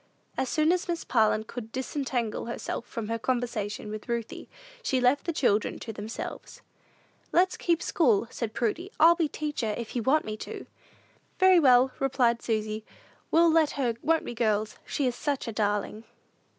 As soon as Miss Parlin could disentangle herself from her conversation with Ruthie, she left the children to themselves. "Let's keep school," said Prudy. "I'll be teacher, if you want me to." "Very well," replied Susy, "we'll let her; won't we, girls? she is such a darling."